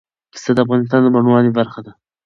پسه د افغانستان د بڼوالۍ برخه ده.